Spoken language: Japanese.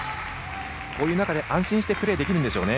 こういう中で安心してプレーできるんでしょうね。